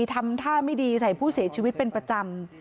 ทำท่าไม่ดีใส่ผู้เสียชีวิตเป็นประจำ